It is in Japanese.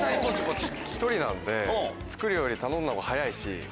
１人なんで作るより頼んだほうが早いし。